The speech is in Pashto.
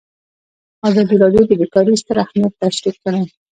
ازادي راډیو د بیکاري ستر اهميت تشریح کړی.